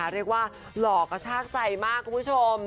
เลยว่าหลอกจากใจมากกุผู้ชม